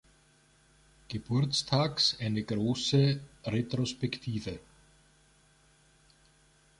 Geburtstags eine grosse Retrospektive.